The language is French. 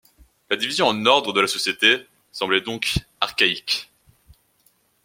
La division en ordres de la société semblait donc archaïque.